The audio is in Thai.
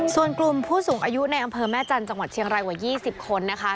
ส่วนกลุ่มผู้สูงอายุในอำเภอแม่จันทร์จังหวัดเชียงรายกว่า๒๐คนนะคะ